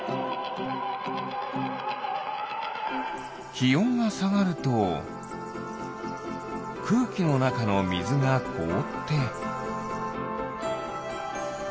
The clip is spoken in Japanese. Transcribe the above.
きおんがさがるとくうきのなかのみずがこおって。